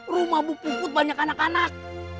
rumah bukuku banyak anak anak